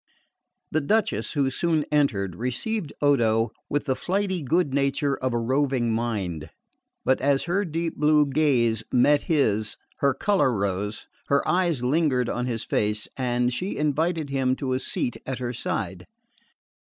The Duchess, who soon entered, received Odo with the flighty good nature of a roving mind; but as her deep blue gaze met his her colour rose, her eyes lingered on his face, and she invited him to a seat at her side.